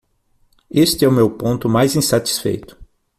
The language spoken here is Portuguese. Este é o meu ponto mais insatisfeito.